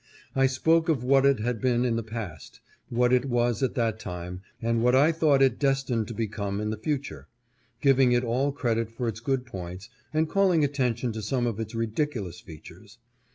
I spoke of what it had been in the past, what it was at that time, and what I thought it destined to become in the future ; giving it all credit for its good points, and calling atten tion to some of its ridiculous features.